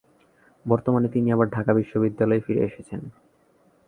বর্তমানে তিনি আবার ঢাকা বিশ্ববিদ্যালয়ে ফিরে এসেছেন।